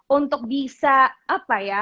untuk bisa apa ya